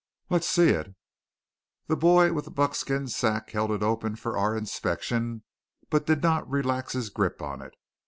"Let's see it." The boy with the buckskin sack held it open for our inspection, but did not relax his grip on it.